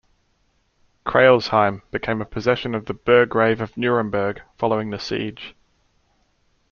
Crailsheim became a possession of the Burgrave of Nuremberg following the siege.